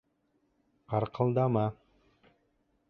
Ҡарҡылдама!